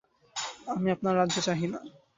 আমি আপনার রাজ্য চাহি না।